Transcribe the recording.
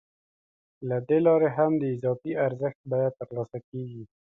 له دې لارې هم د اضافي ارزښت بیه ترلاسه کېږي